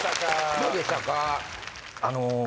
どうでしたか？